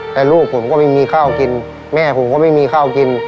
แต่ลูกผมก็ไม่มีข้าวกินแม่ผมก็ไม่มีข้าวกิน